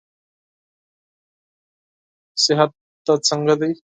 صحت دې څنګه دئ؟